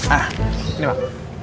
ah ini pak